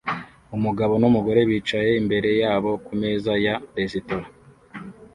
Umugabo numugore bicaye imbere yabo kumeza ya resitora